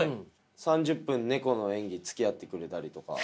３０分ネコの演技つきあってくれたりとか。